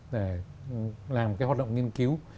để làm cái hoạt động nghiên cứu